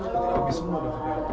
tapi lebih semua kan